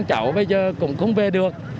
cháu bây giờ cũng không về được